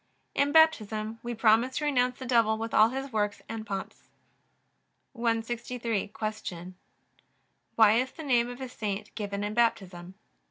In Baptism we promise to renounce the devil with all his works and pomps. 163. Q. Why is the name of a saint given in Baptism?